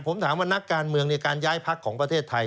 ผมถามว่านักการเมืองในการย้ายพักของประเทศไทย